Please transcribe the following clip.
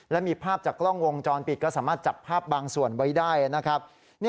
และมีภาพจากกล้องวงจรปิดก็สามารถจับภาพบางส่วนไว้ได้นะครับ